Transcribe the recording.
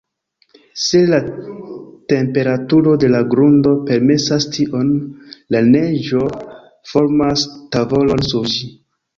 Se la temperaturo de la grundo permesas tion, la neĝo formas tavolon sur ĝi.